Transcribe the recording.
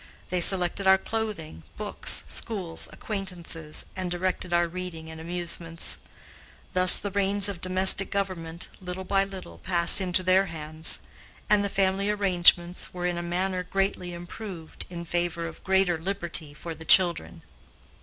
They selected our clothing, books, schools, acquaintances, and directed our reading and amusements. Thus the reins of domestic government, little by little, passed into their hands, and the family arrangements were in a manner greatly improved in favor of greater liberty for the children.